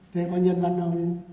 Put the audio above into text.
thế có nhân văn không